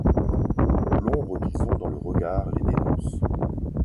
L'ombre qu'ils ont dans le regard les dénonce.